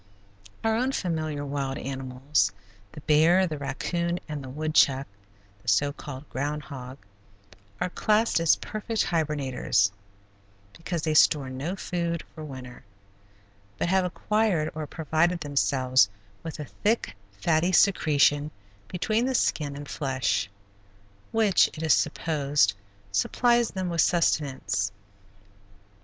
Our own familiar wild animals, the bear, the raccoon, and the woodchuck the so called ground hog are classed as perfect hibernators, because they store no food for winter, but have acquired or provided themselves with a thick, fatty secretion between the skin and flesh, which, it is supposed, supplies them with sustenance.